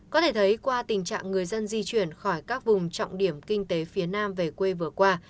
có thể thấy qua tình trạng người dân di chuyển khỏi các vùng trọng điểm kinh tế phía nam về quê vừa qua